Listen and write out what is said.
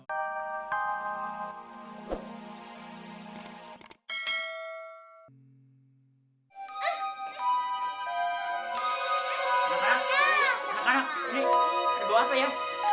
anak anak anak anak ini ada bau apa ya